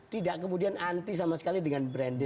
tidak kemudian anti sama sekali dengan branded